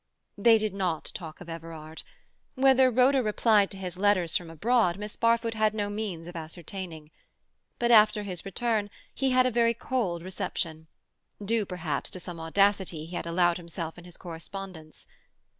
They did not talk of Everard. Whether Rhoda replied to his letters from abroad Miss Barfoot had no means of ascertaining. But after his return he had a very cold reception—due, perhaps, to some audacity he had allowed himself in his correspondence.